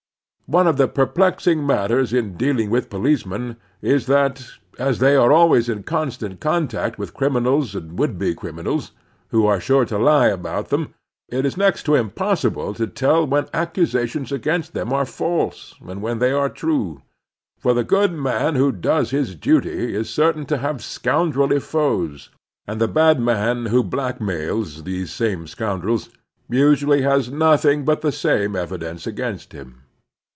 One of the perplexing matters in dealing with policemen is that, as they are always in hostile contact with criminals and would be criminals, who are sure to lie about them, it is next to impossible to tell when accusations against them are false and when they are true; for the good man who does his duty is certain to have scotmdrelly foes, and the bad man who black mails these same scotmdrels usually has nothing but the same evidence against him.